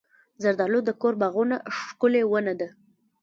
زردالو د کور باغونو ښکلې ونه ده.